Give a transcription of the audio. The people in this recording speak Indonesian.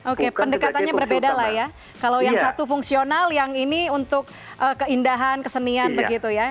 oke pendekatannya berbeda lah ya kalau yang satu fungsional yang ini untuk keindahan kesenian begitu ya